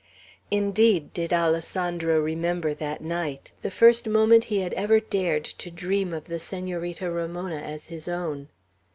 Indeed did Alessandro remember that night, the first moment he had ever dared to dream of the Senorita Ramona as his own.